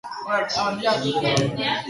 Bost neba-arrebetatik bera zen zaharrena.